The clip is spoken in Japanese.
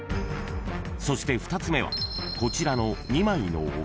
［そして２つ目はこちらの］